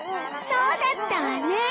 そうだったわね。